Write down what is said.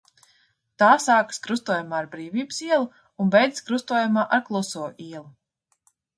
Tā sākas krustojumā ar Brīvības ielu un beidzas krustojumā ar Kluso ielu.